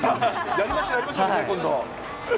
やりましょう、やりましょう、今度。